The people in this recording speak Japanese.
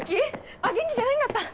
あっ元気じゃないんだった。